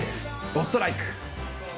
ドストライク。